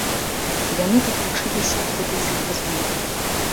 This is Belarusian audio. Яны тут вучыліся, гэта з іх размоў.